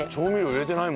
入れてない。